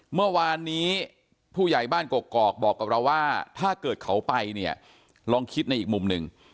เมื่อวานนี้ผู้ใหญ่บ้านกกอกบอกกับเราว่าถ้าเกิดเขาไปเนี่ยลองคิดในอีกมุมหนึ่ง